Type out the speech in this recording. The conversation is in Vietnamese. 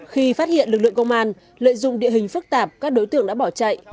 khi phát hiện lực lượng công an lợi dụng địa hình phức tạp các đối tượng đã bỏ chạy